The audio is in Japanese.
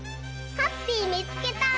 ハッピーみつけた！